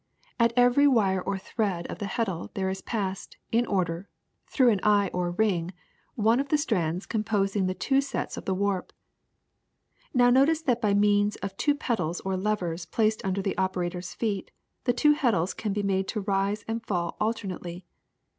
At every wire or thread of the heddle there is passed, in order, through an eye or ring, one of the strands composing the two sets of the warp. Modern Power Loom Now notice that by means of two pedals or levers placed under the operator's feet the two heddles can be made to rise and fall alternately.